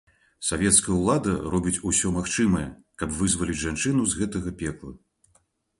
Савецкая ўлада робіць усё магчымае, каб вызваліць жанчыну з гэтага пекла.